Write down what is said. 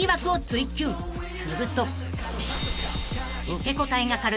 ［すると］